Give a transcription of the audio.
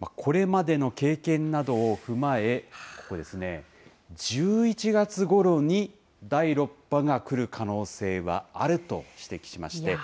これまでの経験などを踏まえ、これですね、１１月ごろに第６波が来る可能性はあると指摘しまして。